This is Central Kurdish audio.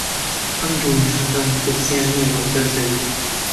ئەم دوو مووشەکە مەترسییان نییە بۆ سەر زەوی